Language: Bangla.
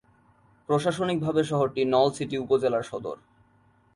প্রশাসনিকভাবে শহরটি নলছিটি উপজেলার সদর।